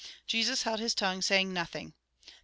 " Jesus held his tongue, saying nothing.